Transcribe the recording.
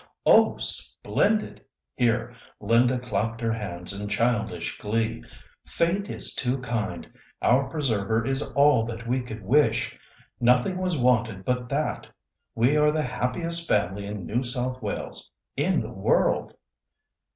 "Oh! splendid!" Here Linda clapped her hands in childish glee. "Fate is too kind! Our preserver is all that we could wish. Nothing was wanting but that. We are the happiest family in New South Wales—in the world."